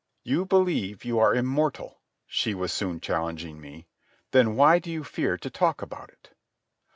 "You believe you are immortal," she was soon challenging me. "Then why do you fear to talk about it?"